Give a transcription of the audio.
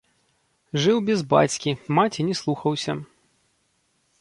Жыў без бацькі, маці не слухаўся.